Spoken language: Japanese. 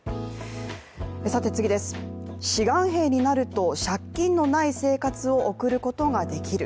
志願兵になると借金のない生活を送ることができる。